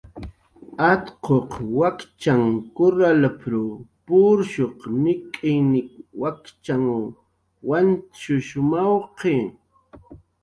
"Atquq wakchan kurralp""r purshuq nik'iy nik' wakchw wantshush mawqi"